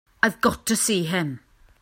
I've got to see him.